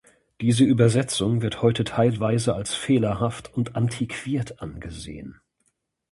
Diese Übersetzung wird heute teilweise als fehlerhaft und antiquiert angesehen.